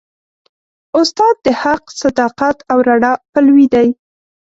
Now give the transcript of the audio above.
استاد د حق، صداقت او رڼا پلوي دی.